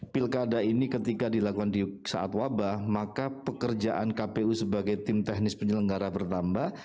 pilkada ini ketika dilakukan di saat wabah maka pekerjaan kpu sebagai tim teknis penyelenggara bertambah